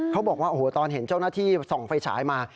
เขาบอกว่าโอ้โหตอนเห็นเจ้าหน้าที่ส่องไฟฉายมา